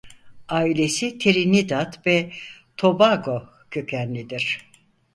Ailesi Trinidad ve Tobago kökenlidir.